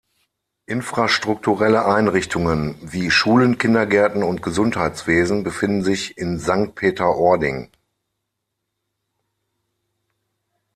Infrastrukturelle Einrichtungen wie Schulen, Kindergärten und Gesundheitswesen befinden sich in Sankt Peter-Ording.